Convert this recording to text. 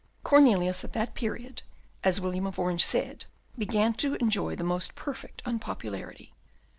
Cornelius, at that period, as William of Orange said, began to enjoy the most perfect unpopularity.